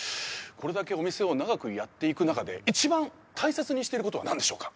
これだけお店を長くやっていく中で一番大切にしてることは何でしょうか？